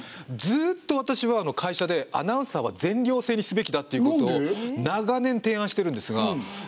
ずっと私は会社でアナウンサーは全寮制にすべきだっていうことを長年提案してるんですが全員反対で却下されています。